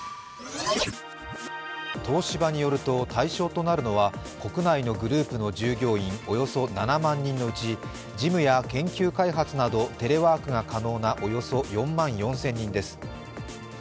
東芝によると、対象となるのは国内のグループの従業員およそ７万人のうち、事務や研究開発などテレワークが可能なおよそ４万４０００人です。